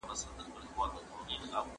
زه مخکي مينه څرګنده کړې وه!